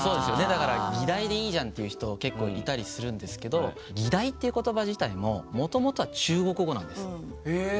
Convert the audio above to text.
だから「議題」でいいじゃんっていう人が結構いたりするんですけど「議題」っていう言葉自体ももともとは中国語なんです。